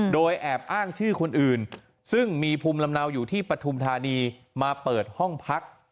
โดยแอบอ้างชื่อคนอื่นซึ่งมีภูมิลำเนาอยู่ที่ปฐุมธานีมาเปิดห้องพัก